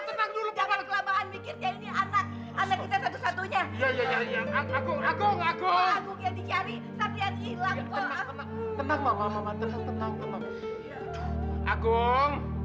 tenang tenang tenang tenang